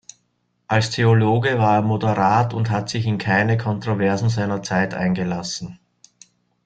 Als Theologe war er moderat und hat sich in keine Kontroversen seiner Zeit eingelassen.